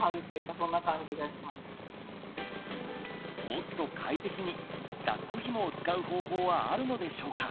もっと快適にだっこひもを使う方法はあるのでしょうか？